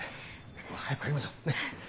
今日は早く帰りましょうねっ。